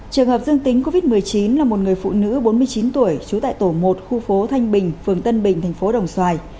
trường hợp dương tính covid một mươi chín là một người phụ nữ bốn mươi chín tuổi trú tại tổ một khu phố thanh bình phường tân bình thành phố đồng xoài